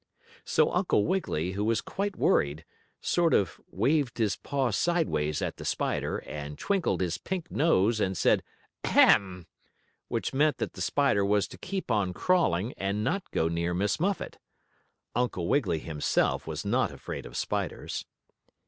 So Uncle Wiggily, who was quite worried, sort of waved his paw sideways at the spider, and twinkled his pink nose and said "Ahem!" which meant that the spider was to keep on crawling, and not go near Miss Muffet. Uncle Wiggily himself was not afraid of spiders.